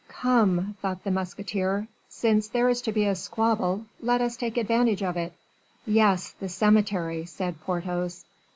"Come," thought the musketeer, "since there is to be a squabble, let us take advantage of it." "Yes, the cemetery," said Porthos.